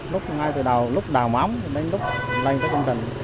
lúc ngay từ đầu lúc đào máu lúc lên tới công trình